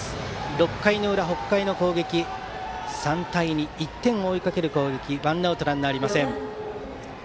６回裏、北海の攻撃３対２と１点を追いかける攻撃はワンアウトランナーありません。